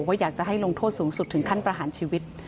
อยากจะให้ลงโทษสูงสุดถึงขั้นประหารชีวิต